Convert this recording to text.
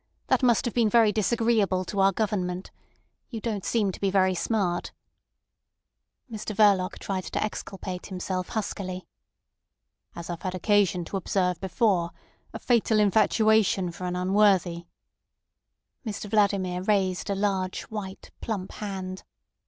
That must have been very disagreeable to our Government. You don't seem to be very smart." Mr Verloc tried to exculpate himself huskily. "As I've had occasion to observe before, a fatal infatuation for an unworthy—" Mr Vladimir raised a large white, plump hand.